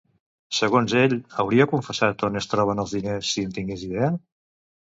Segons ell, hauria confessat on es troben els diners si en tingués idea?